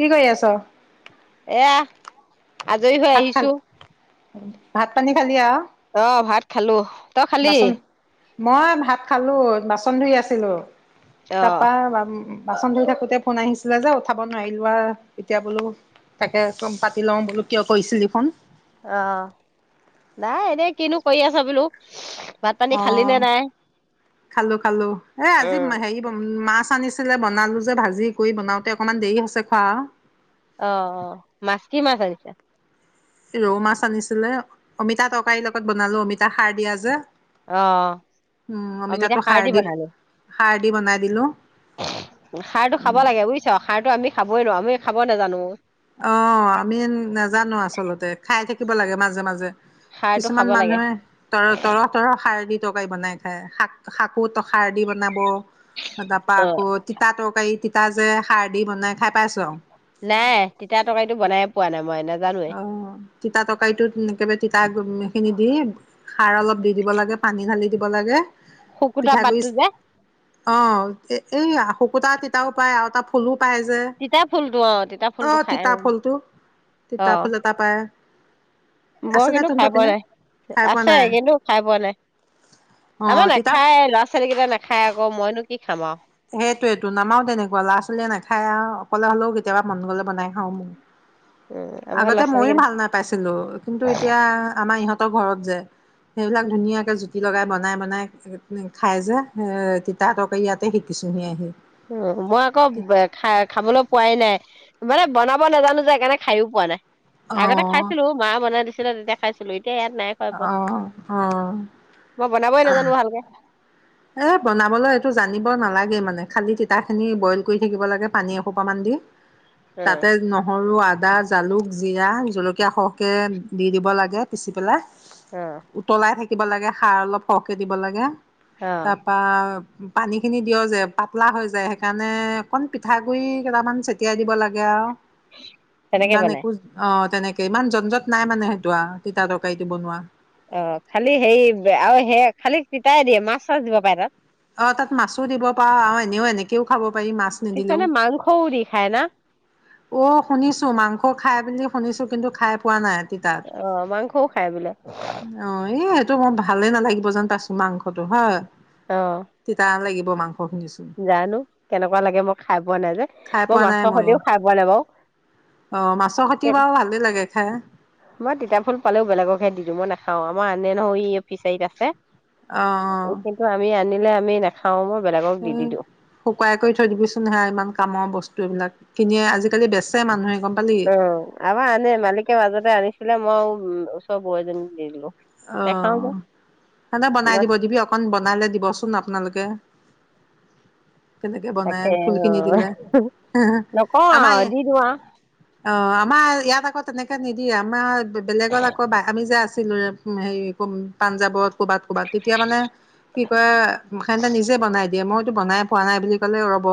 কি কৰি আছ? এয়া আজৰি হৈ ভাত খাল আহিছো। ভাত পানী খালি আৰু? অ ভাত খালো তই খালি? বাচন মই ভাত খালো বাচন ধুই আছিলো। অ তাৰপা বাচন ধুই থাকোঁতে ফোন আহিছিলে যে উঠাব নোৱাৰিলোঁ আৰু এতিয়া বোলো তাকে কম প লওঁ বোল কিয় কৈছিলি ফোন অ নাই এনেই কিনো কৰি আছ বোলো। ভাত পানী অ খালি নে নাই খালো খালো এ আজি উম হেৰি মাছ আনিছিলে বনালো যে ভাজি কৰি বনাওতে অকমান দেৰি আছে খা অ অ মাছ কি মাছ আহিছে? ৰৌ মাছ আনিছিলে অমিতা তৰকাৰী লগত বনালো অমিতা সাৰ দিয়া যে অ আমি এতিয়া সাৰ দি বনালো সাৰ দি বনাই দিলো খাৰটো খাব উম লাগে বুজিছা সাৰটো আমি খাবই নো আমি খাব নাজানো। অ আমি নাজানো আচলতে খাই থাকি থাকিব লাগে মাজে মাজে। সাৰটো কিছুমান খাব লাগে মানুহে তৰ তৰ তৰৰ শাৰীৰিক তৰকাৰী বনাই খাই শাক শাকো খাৰ দি বনাব তাৰ পৰা অ আকৌ তিতা তৰকাৰী ত যে সাৰ দি বনাই খাই পাইছ? নাই। টিতা তৰকাৰীটো বনাই পোৱা নাই। মই নাজানোৱে অ তিতা তৰকাৰিটো একেবাৰে তিতা খিনি দি খাৰ অলপ দি দিব লাগে পানী ঢালি দিব লাগে শুকুতা পিঠাগুৰি পাতটো যে অ এ এই শুকুতা তিতাও পায় আৰু এটা ফুলো পায় যে। তিতা ফুলটো অ তিতা ফুলটো অ' খাই তিতা আৰু ফুলটো অ তিতা ফুল এটা পায় মই আছে নে কিন্তু খাই তহঁতৰ পোৱা পিনে? নাই খাই পোৱা আছে নাই? কিন্তু খাই পোৱা নাই অ আমাৰ তেতিয়া নাখায় ল'ৰা ছোৱালীকেইটা নাখায় আ আ মইনো কি খাম আৰু সেইটোৱটো নামাও তেনেকুৱা ল'ৰা ছোৱালীয়ে নাখায় আৰু অকলে হ'লেও কেতিয়াবা মন গলে বনাই খাও মোৰ উম আমাৰ আগতে ল'ৰা ছোৱালী ময়ো কেইটা ভাল নাপাইছিলো কিন্তু এতিয়া আমাৰ ইহঁত ঘৰত যে সেইবিলাক ধুনীয়াকে জুতি লগাই বনাই বনাই খাই যে এ তিততৰকে ইয়াত ত খে কিছুহি আহি উ মই আকৌ খা খাবলৈ পোৱাই নাই মানে বনাব নাজানো যে সকাৰণে খাইও পোৱা নাই অ আগতে খাইছিলো মা বনাই দিছিল দেখাইছিলো এয়া ইয়াত নাই ক প অ অ মই বনাবই নাজানো ভালকে এ বনাবলৈ এইটো জানিব নালাগে মানে খালি তিতাখিনি বইল কৰি থাকিব লাগে পানী এসোপামান দি অ তাতে নহৰু আ আদা জালুক জিৰা জলকীয়া সৰহকৈ দি দিব লাগে পিচি পেলাই অ উতলাই থাকে দিব লাগে সাৰ অলপ সৰহকে দিব লাগে অ তপা পানীখিনি দিয়ে যে পাতলা হৈ যায় সেইকাৰণে অকণ পিঠাগুড়ি কেইটামান ছটিয়াই দিব লাগে আৰু তেনেকে বা নো বনাই অ তেনেক ইমান জ্জট নাই মানে সেইটো আৰু তিতা তৰকাৰীটো বনোৱা অ খালি সেই আৰু সেই খালি তিতাই দিয়ে মাছ চাছ দিব পাৰে তাত অ তাত মাছো দিব পাৰা আৰু এনেও এনেকেও খাব প কিছুমানে মাংসও দি খায় না অ শুনিছো মাংস খাই বুলি শুনিছো কিন্তু খাই পোৱা নাই তিতাত অ মাংসও খাই বোলে অ এ এইটো মই ভালে নালাগিব যেন পাছো মাংস ফ হয় অ তিতা লাগিব বমা, জানো কেনেকুৱা লাগে মই খাই পোৱা নাই যে, খাই মই পোৱা নাই মাছৰ ময়ো, সৈতেও খাই পোৱা নাই বাৰু অ ', মাছৰ হতি বাৰু ভালেই লাগে খাই। মই তিতা ফুল পালেও বেলেগকহে দি দেও মই নাখাও আমাৰ আনে নহয় ই, ' অ', ফিচাৰীত আছে। অ', এই কিন্তু আমি আনি, মানে আমি নাখাও মো, উম্ শুকাই কৰি থৈ দিবিচোন সেয়া ইমান কামৰ বস্তু এইবিলাক। খিনিয়ে আজিকালি বেচে মানুহে, গম পালি। অ', আমাৰ আনে মালিকে মাজতে আনিছিলে মই, উম', উচৰৰ বৌ এজনীক দি দিব। অ', মানে বনাই মই দিব দিবি, অকন বনালে দিবচোন আপোনালোকে, কে, তেনেকে বনাই তাকে ফুল অ খিনি দিলে,, নকওঁ আমাৰ আৰু দি দিওঁ আৰু অ', আমাৰ ইয়াত আকৌ, তেনেকে নিদিয়ে আমাৰ বেলেগত আকৌ বাহি, 'আমি যে আছিলো, হেৰি পাঞ্জাৱত, ক'বাত -ক'বাত, তেতিয়া মানে কি কয় হেন্তে নিজে বনাই দি, দিযয়ে মইটো বনাই পোৱা নাই বুলি ক'লে ৰব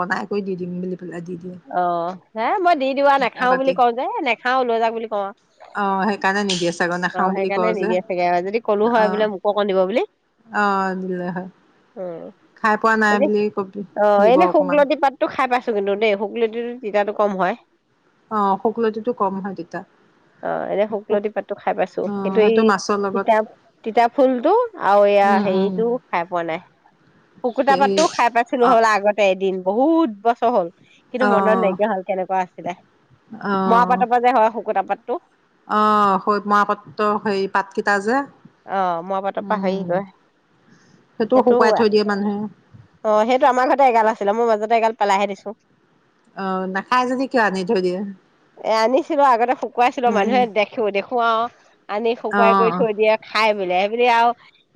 বনাই কৰি দি দিম বুলি, পেলাই দি দিয়ে অহ, ' হে মই দি দিওঁ আৰু নেখাও বুলি এবাতি। কওঁ যে নেখাও লৈ যাউক বুলি কওঁ অ সেইকাৰণে নিদিয়ে চাগৰ আৰু নাখাও অ', বুলি সেইকাৰণে কওঁ যে নিদিয়ে চাগে আৰু যদি কলো অ হয় বোলে মোকো অকন দিব বুলি, অ দিলে হয় অ খাই পোৱা ', নাই এনে বুলি কবি অ', দিব এনে অকমান শুকলতি পাতটো খাই পাইছ কিন্তু দেই শুক লতিটো, তিতাটো কম হয়। অ শুকলতিটো কম হয় তেতিয়া অহ, এনে শুকলতি পাতটো খাই পাইছো কিন্তু অ এই সেইটো মাছৰ লগত তিতা -তিতা ফুলটো আৰু এইয়া উম উম হেৰিটো খাই পোৱা নাই শুকুতা এই পাতটো খাই পোৱা নাই অ হল, আগতে এদিন। বহুত বছৰ হ'ল। কিন্তু মনত নাইকিয়া হল কেনেকোৱা আছে -ছিলে। অহ পাতটো - অহ হৈত মৰা পাতটো সেই পাতকেইটা যে, অ, ' মই পাত পাহৰি উম গৈ সেইটোও সেইটো শুকুৱাই থৈ দিয়ে মানুহে অ', সেইটো আমাৰ ঘৰতে এগাল আছিলে মই মাজতে এগাল, পেলাইহে দিছো। অ নাখাই যদি কিয় আনি থৈ দিয়ে এ, ' আনিছিলো আগতে শুকুৱাইছিলো মানুহে দেখিব- দেখুৱাওঁ আনি অ শুকুৱাই কৰি থৈ অ দিয়ে। খাই বোলে সেইবুলি আৰু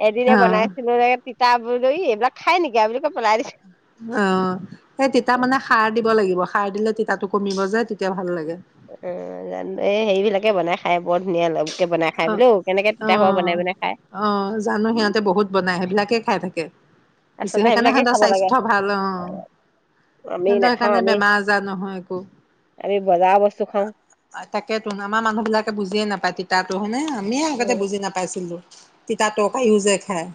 এদিনে অ বনাইছিলো এ, তিতা, [unintelligible] এইবিলাক খাই নেকি আ বুলি কৈ পেলাই দিছে অ সেই তিতা মানে সাৰ দিব লাগিব খাৰ দিলে তিতাতো কমিব যে তেতিয়া ভাল লাগে এই জানো এই হেৰি বিলাকে বনাই খাই বৰ ধুনীয়া অলপ- অ অ খাই অহ জানো সিহঁতে বহুত বনাই সেইবিলাকে খাই থাকে আচলতে সেইকাৰণে সেইবিলাকে সিহঁতৰ খাব লাগে স্বাস্থ্য ভাল অ আমি সিহঁতৰ নাখাওঁ সেইকাৰণে আমি বেমাৰ আজাৰ নহয় একো আমি বজাৰৰ বস্তু খাওঁ অ তাকেইতো আমাৰ মানুহ বিলাকে বুজিয়ে নাপায় তিত- তহনে আ আমিয়ে আগতে উম বুজি নাপাইছিলো তিতা তৰকাৰিও যে খায়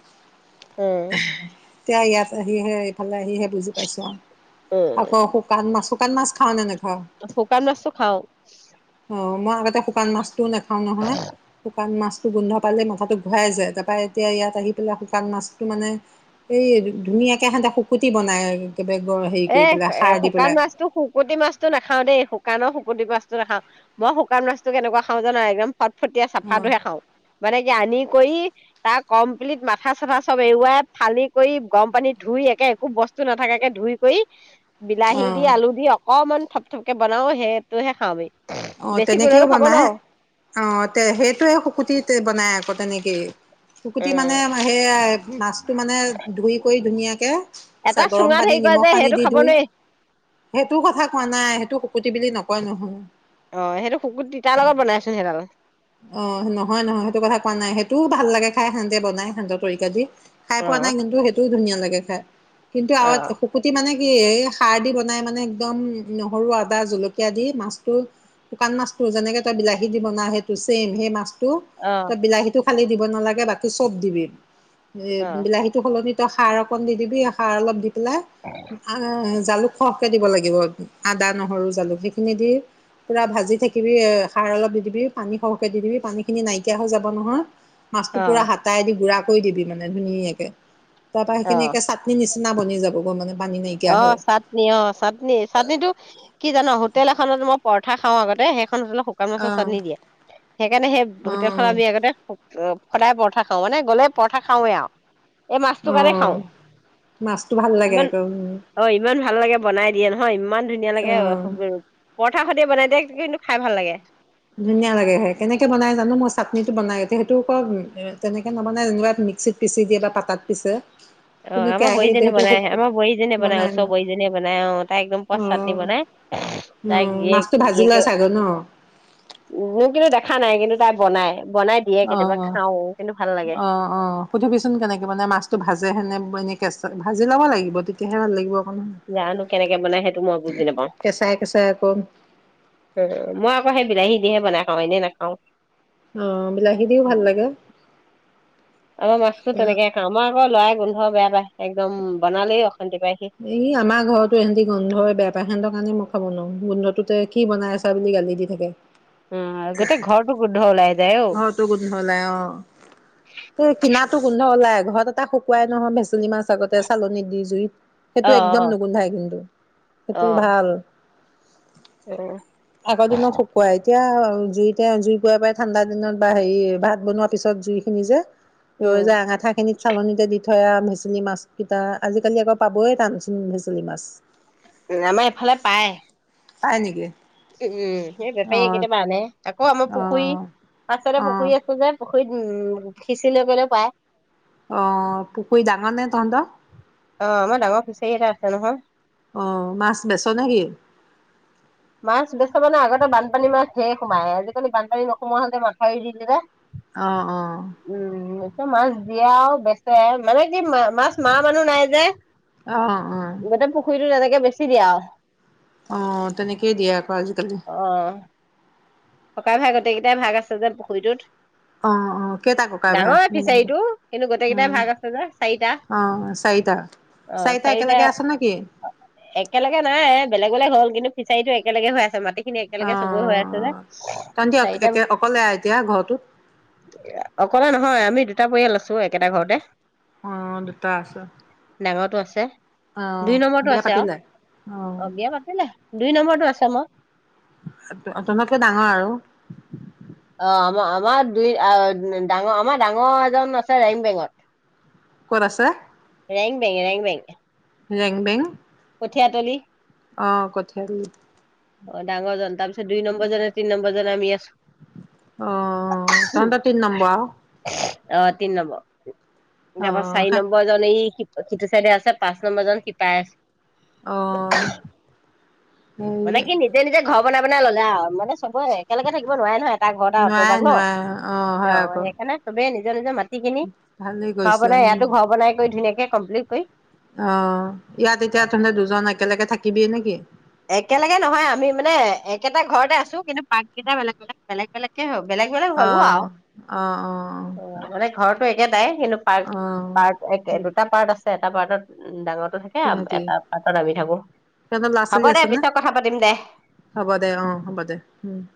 হম এতিয়া ইয়াত আহিহে এইফালে সেয়হে বুজি পাইছো আৰু উম, আকৌ শুকান মাছ শুকান মাছ খাও নে নেখাওঁ শুকান মাছটো খাওঁ ম আগতে শুকান মাছটোও নেখাওঁ নহয়। শুকান মাছটো গোন্ধ পালে মথাটো ঘূৰাই যায়। তাৰপৰা এতিয়া ইয়াত আহি পেলাই শুকান মাছটো মানে এই ধুনীয়াকৈ সেহতে শুকুতি বনায় আৰু। এ এ শুকান মাছটো শুকতি মাছতো নাখাও দেই শুকানৰ শু- শুকতি মাছটো নাখাও মই শুকান মাছটো কেনেকুৱা খাওঁ জানা একদম পাত- ফটিয়াই অ' চাফাটোহে খাও মানে কি আনি কৰি তাৰ কমপ্লিট মাথা চাথা চব এৰুৱাই ফালি কৰি গৰম পানীত ধুই একে একো বস্তু নাথাকে ধুই- কই বিলাহী দি অ' আলু দি অকমান থপ থপকে বনাও আও হে টোহে খাও আমি অ বেছি তেনেকেও গোন্ধটো খাব বনাই নোৱাৰো অ তে সেইটোয়ে শুকুতি বনাই আকৌ তেনেকে কে শুকুতি মানে উম। সে আই মাছটো মানে ধুই কৰি ধুনীয়াকে চা এটা গৰম চুঙাত পানী হেৰি কৰে নিমখ যে পানী সেইটো দি খাব ধুই নোৱাৰি সেইটো কথা কোৱা নাই সেইটো শুকুতি বুলি নকয় নহয় অ সেইটো শুকু তিতাৰ লগত বনাইচোন সেইডালে অ নহয় নহয় সেইটো কথা কোৱা নাই সেইটোও ভাল লাগে খাই সেনতে বনাই সেনত তৰিকা দি খাই অ পোৱা নাই কিন্তু সেইটোও ধুনীয়া লাগে খায় কিন্তু আ অ শুকুতি মানে- কি এই সাৰ দি বনাই মানে একদমম নহৰু আদা জলকীয়া দি মাছটো শুকান মাছটো যেনেকে তই বিলাহী দি বনা সেই- ত চেম সেই মাছ টো অ ত বিলাহীটোত খালী দিব নালাগে বাকী চব দিবিম এ অ বিলাহীতটো সলনি টো সাৰ অকণ দি দিবি সাৰ অলপ দি লাই [unintelligible] জালুক খৰহকৈ দিব লাগিব আদা নহৰু জালুক সেইখিনি দি পূৰা ভাজি থাকিবি সাৰ অলপ দি দিবি পানী সৰহকে দি দিবি পানী খিনি নাইকিয়া হৈ যাব নহয় মাছটো অ পুৰা হাতাই দি গুঢ়া কৈ দিবি মানে ধুনীয়াকে তাৰ পৰা অ সেইখিন একে চাটনি নিচ নামনি যাব গ মানে পানী নাইকিয়া অ হৈ চাটনি অ চাটনি চাটনি টো কি জানো ন হোটেল এখনত মই পৰঠা খাওঁ আগতে শেষ হো শুকান মাছৰ চাদ আহ দিয়ে সেইকাৰণে সেই অ হোটেল খনত আমি আগতে অ সদায় পৰঠা খাও মানে গ'লেই পৰঠা খাওৱে আৰু এই অ মাছটোৰ কাৰণে খাওঁ মাছটো ভাল লাগে ইমান আকৌ উম অ ইমান ভাল লাগে বনাই দিয়ে নহয় ইমান ধুনীয়া অ লাগে হ [unintelligible] সতি বনাই দিয়ে কিন্তু খাই ভাল লাগে ধুনীয়া লাগে সেই কেনেকে বনাই জানো মই চাটনিটো বনাই এতিয়া সেইটো আকৌ তেনেকৈ নবনাই যেনেকুৱা মিক্সিত পিচি দিয়ে বা পাতাত পিছে অ কিন্তু আমাৰ কেৰাহীত বোৱাৰীজনীয়ে সেইটো বনাই আমাৰ বোৱাৰীজনীয়ে বনাই ওচৰ বোৱাৰীজনীয়ে বনাই অহ তাই একদম পচ অ চাটনি বনাই অ তাৰ মাছটো ভাজি গিৰীয়েকে লয় চাগৈ ন মোৰ কিন্তু দেখা নাই কিন্তু তাই বনাই বনাই দিয়ে অ অ কেতিয়াবা খাও কিন্তু ভাল লাগে অ অ সুধিবিচোন কেনেকে মানে মাছতটো ভাজে হেনে এনে কে ভাজি লব লাগিব তেতিয়াহে ন লাগিব অকণ জানো কেনেকে বনাই সেইটো মই বুজি নাপাও কেঁচাই কেঁচাই আকৌ উম মই আকৌ সেই বিলাহী এনেহে বনাই খাওঁ এনেই নাখাওঁ অ বিলাহী দিও ভাল লাগে অ মাছটো তেনেকে খাও আ লৰাই গোন্ধ বেয়া পায় একদম বনালেই অখা এই আমাৰ ঘৰতো সিহতি গন্ধৰ বেয়া পায় সিহঁতৰ কাৰণে মই খাব ন গোন্ধটোতে কি বনাই আছা বুলি গালি দি থাকে অ গোটেই ঘৰটো গোন্ধ ওলাই যায় অ ঘৰটো গোন্ধ ওলাই অ এই কিনা টো গোন্ধ ওলাই ঘৰত এটা শুকুৱাই নহয় বেচনী মাছ চগতে চালনী দি জুইত সেইটো অ একদম নুগোন্ধাই কিন্তু সেইটো অ ভাল অ আগৰ দিনত শুকুৱাই এতিয়া জুইতে জুই কোৱা পাই ঠাণ্ডা দিনত বা হেৰি ভাত বনোৱাৰ পিছত জুইখিনি যে ৰৈ যা উম আঠা খিনিত চালনতে দি মিঠয়া মেচেলি মাছকেইটা আজিকালি আকৌ পাবই টান মেচেলি মাছ আমাৰ এফালে পায় পাই নেকি উম উম সেই বেপাৰী অ', কেইটা মানে আকৌ আমাৰ পুখুৰী অ', পাছৰে অ', পুখুৰী আছো যে পুখুৰী শুইত উম সিঁচি লৈ গলে পায় অ পুখুৰী ডাঙৰ নে তহত আহ আমাৰ ডাঙৰ [unintelligible] খিচাৰী এটা আছে নহয় অ', মাছ বেচ নেকি? মাছ বস্ত ম নে আগতে বানপানী মাছ ধেৰ সোমায়ে আজিকালি বানপানী নোসোমোৱা হলে মাথাউৰি দিলে যে অ', অ', উম এ মাছ বিয়াও বেচে মানে কি মাছ মানে মানুহ নাই যে আহ অ ে বেছি দিয়া অ তেনেকেইে দিয়ে আকৌ আজিকালি অ ককাই ভাই গোটেইকেইটাই ভাগ আছে যে পুখুৰীটোত অ', অ', কেইটা ককাই ভাই? ডাঙৰ ফিচাৰীটো উম, কিন্তু গোটেই কেইটাই ভাগ আছে যে চাৰিটা অ', চাৰিটা। অ চাৰিটা একেলগে আছ নেকি? একেলগে নাই বেলেগ বেলেগ হল কিন্তু সিচাৰিটো একলগে হৈ আছে মাটি খিনি একেলগে চব হৈ আছে যে অ', তহতি চাৰিটা একে অকলে এতিয়া ঘৰটোত? অকলে নহয় আমি দুটা পৰিয়াল আছো একেটা ঘৰতে অ দুটা আছে ডাঙটো আছে অ', দুই নম্বৰৰতটো বিয়া আছে আৰু পাতিলে? অ বিয়া পাতিলে দুই নম্বৰটো আছে মই অটনো ডাঙৰ আৰু অ আমাৰ আমাৰ দুই আহ ডাঙৰ আমাৰ ডাঙৰ এজন আছে ৰিম বেঙত ক'ত আছে ৰাৰেং বেংে [unintelligible] ৰাং বেংগে ৰেং বেং উঠিয় আ তলি অ কঠাল অ ডাঙৰ জনন্ততা আ দুই নম্বৰ জ তিনি নম্বৰ জনে আমি আছো অ', তহঁতৰ তিনি নম্বৰ আৰু অ তিনি নম্বৰ াৰাপ [unintelligible] অ', চাৰি হে নম্বৰ জননে এই সিটো চাইডে আছে পাঁচ নম্বৰ জন শিপাই আ অ মানে কি নিজে নিজে ঘৰ বন বনাই ল'লে আৰু মানে চবেই একেলগে থাকিব নোৱাৰে নহয় এটা ঘৰ এটা অত নোৱাৰে যাক ন নোৱাৰে হয় অ আকৌ সেইকাৰণে চবেই নিকি ম ি কিনি ভালেই ঘৰ কৰিছে বনাই উম। ইয়াতো ঘৰ বনাই কৰি ধুনীয়াক কমপিলট কৰি অ ইয়াত এতিয়া তুমি দুজন একেলগে থাকে াকিবি নেকি একেলগে নহয় আমি মানে একেটা ঘৰতে আছো কিন্তু পাৰ্ককেইটা বেলেগ বেলেগ বেলেগ বেলেগকে হক আহ আহ আহ আহ ঘৰতটো একেতাই সেই পাৰ্ক পাৰ্ট এক দুটা পাৰ্ট আছে এটা পাৰ্টত ডাঙৰ থাকে সিহঁতি এটা পাতৰামি থাকো হ'ব চলি দে আছ ন পিছত কথা পাতিম দে। হ'ব দে অ হ'ব দে উম